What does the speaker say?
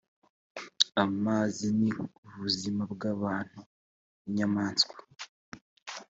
amazi ni ubuzima bw’ abantu n’ inyamaswa